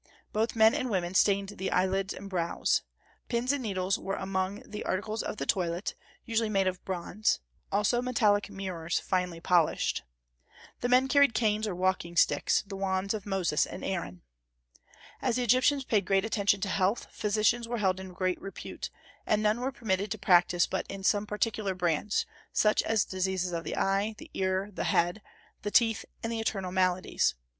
Both men and women stained the eyelids and brows. Pins and needles were among the articles of the toilet, usually made of bronze; also metallic mirrors finely polished. The men carried canes or walking sticks, the wands of Moses and Aaron. As the Egyptians paid great attention to health, physicians were held in great repute; and none were permitted to practise but in some particular branch, such as diseases of the eye, the ear, the head, the teeth, and the internal maladies.